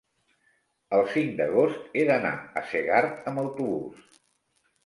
El cinc d'agost he d'anar a Segart amb autobús.